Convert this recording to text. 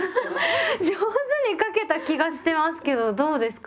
上手に書けた気がしてますけどどうですかね？